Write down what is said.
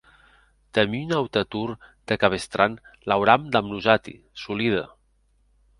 Damb un aute torn de cabestrant l’auram damb nosati, solide.